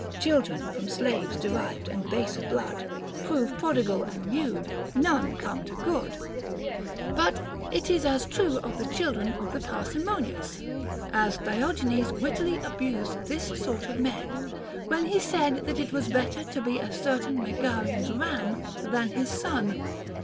301 Children from slaves derived and baser blood Prove prodigal and lewd, none come to good ; but it is as true of the children of the parsimonious ; as Diogenes wittily abused this sort of men, when he said that it was better to be a certain Megarian's ram than his son.